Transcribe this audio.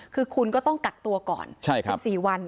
คือคุณก็ต้องกักตัวก่อนใช่ครับ๑๔วัน